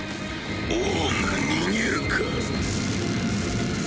王が逃げるか。